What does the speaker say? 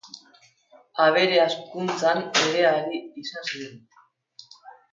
Abere hazkuntzan ere ari izan ziren.